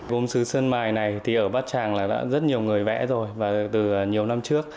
gốm xứ sơn mài này thì ở bát tràng là đã rất nhiều người vẽ rồi và từ nhiều năm trước